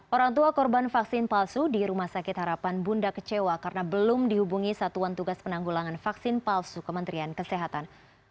orang tua korban vaksin palsu di rumah sakit harapan bunda kecewa karena belum dihubungi satuan tugas penanggulangan vaksin palsu kementerian kesehatan